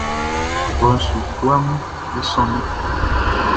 Klɔʼn su guaʼm be sonnin.